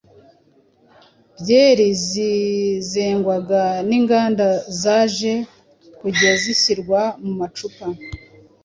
Byeri zengwaga n’inganda zaje kujya zishyirwa mu macupa